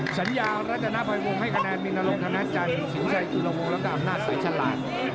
สัญญารัฐนาภัยวงศ์ให้คะแนนมินโรงธรรมนาจารย์สิงห์ชายอุโรงแล้วก็อำนาจสายฉลาด